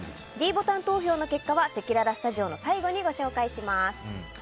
ｄボタン投票の結果はせきららスタジオの最後にご紹介いたします。